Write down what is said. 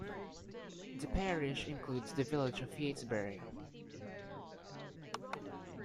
The parish includes the village of Yatesbury.